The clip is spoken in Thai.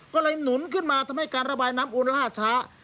ก็เลยหนุนขึ้นมาทำให้การระบายน้ำอุ่นล่าช้า